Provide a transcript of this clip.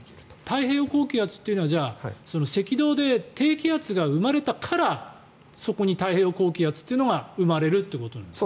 太平洋高気圧というのは赤道で低気圧が生まれたからそこに太平洋高気圧が生まれるということですか？